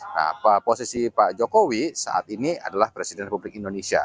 nah posisi pak jokowi saat ini adalah presiden republik indonesia